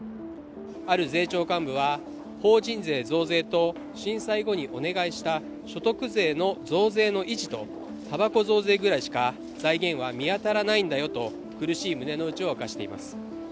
ある税調幹部は、法人税増税と震災後にお願いした所得税の増税の維持とたばこ増税くらいしか財源は見当たらないんだよと苦しい胸の内を明かしています。